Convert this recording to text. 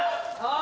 あ！